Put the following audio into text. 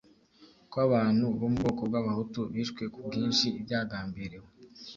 ko abantu bo mu bwoko bw’Abahutu bishwe ku bwinshi byagambiriwe